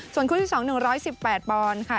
ส่วนคู่ที่สองหนึ่งร้อยสิบแปดปอนด์ค่ะ